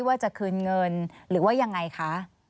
ว่าจะคืนเงินหรือว่ายังไงคะ